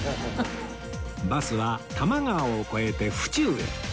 バスは多摩川を越えて府中へ